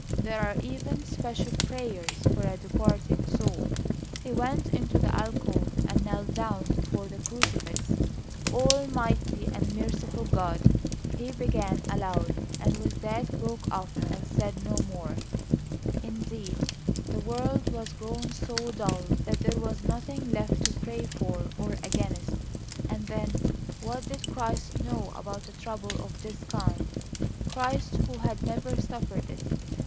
There are even special prayers for a departing soul. He went into the alcove and knelt down before the crucifix. "Almighty and merciful God " he began aloud; and with that broke off and said no more. Indeed, the world was grown so dull that there was nothing left to pray for or against. And then, what did Christ know about a trouble of this kind Christ, who had never suffered it?